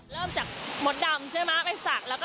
เริ่มจากมดดำเชื่อม้าไปสัก